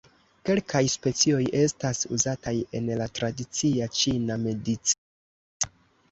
Kelkaj specioj estas uzataj en la tradicia ĉina medicino.